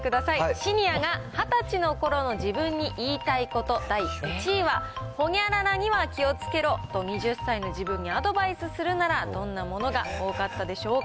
シニアが２０歳のころの自分に言いたいこと、第１位は、ほにゃららには気をつけろと、２０歳の自分にアドバイスするならどんなものが多かったでしょうか？